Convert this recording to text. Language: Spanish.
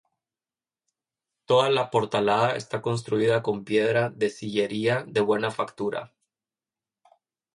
Toda la portalada está construida con piedra de sillería de buena factura.